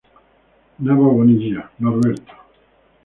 Nava Bonilla, Norberto.